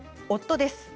夫です。